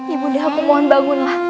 ibu undah aku mohon bangunlah